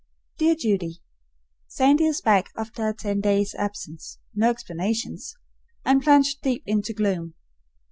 Dear Judy: Sandy is back after a ten days' absence, no explanations, and plunged deep into gloom.